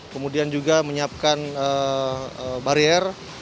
kemudian juga menyiapkan barier